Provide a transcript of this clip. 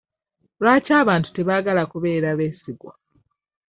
Lwaki abantu tebaagala kubeera beesigwa?